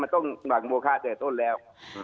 มันต้องหลั่งโมคาตั้งแต่ต้นแล้ว